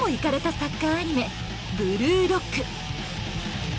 サッカーアニメ『ブルーロック』。